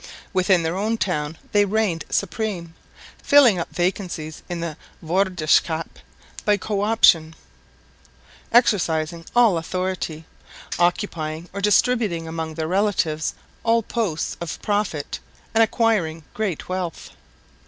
Within their own town they reigned supreme, filling up vacancies in the vroedschap by co option, exercising all authority, occupying or distributing among their relatives all posts of profit, and acquiring great wealth.